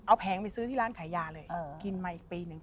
เอาแผงไปซื้อที่ร้านขายยาเลยกินมาอีกปีหนึ่ง